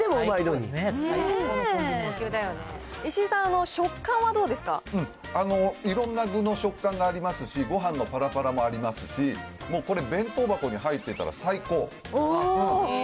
うん、いろんな具の食感がありますし、ごはんのぱらぱらもありますし、もうこれ、弁当箱に入ってたら最高。